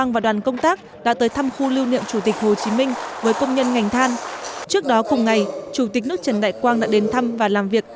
với công nhân ngành than trước đó cùng ngày chủ tịch nước trần đại quang đã đến thăm và làm việc